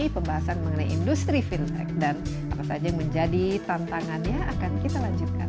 pembahasan mengenai industri fintech dan apa saja yang menjadi tantangannya akan kita lanjutkan